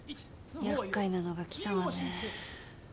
やっかいなのが来たわね。